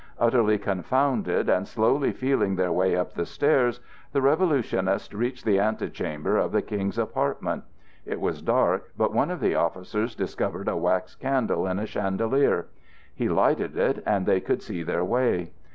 Utterly confounded and slowly feeling their way up the stairs, the revolutionists reached the antechamber of the King's apartment. It was dark, but one of the officers discovered a wax candle in a chandelier. He lighted it, and they could see their way.